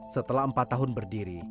setelah empat tahun berdiri